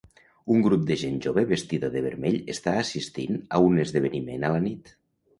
Un grup de gent jove vestida de vermell està assistint a un esdeveniment a la nit.